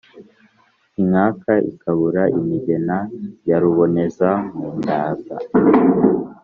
Inkaka ikabura iminega ya Rubonezampundaza.